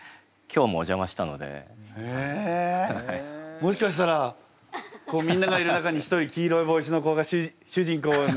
もしかしたらこうみんながいる中に一人黄色い帽子の子が主人公に。